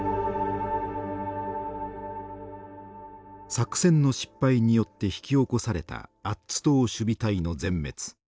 作戦の失敗によって引き起こされたアッツ島守備隊の全滅。